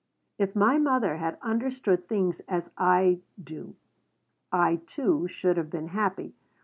If my mother had understood things as I do, I, too, should have been happy.